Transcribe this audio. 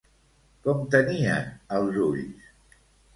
Com tenien els ulls?